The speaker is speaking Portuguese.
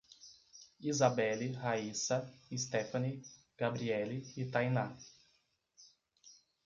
Isabeli, Rayssa, Stefany, Gabrielle e Thainá